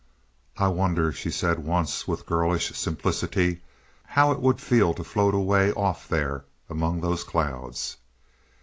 "I wonder," she said once with girlish simplicity, "how it would feel to float away off there among those clouds."